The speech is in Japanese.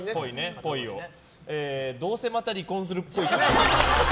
どうせまた離婚するっぽい。